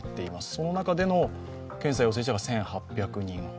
その中での検査陽性者が１８１９人。